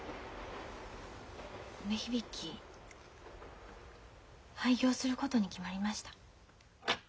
梅響廃業することに決まりました。